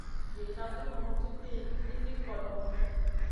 Zida bunu djivia nizi kodomu.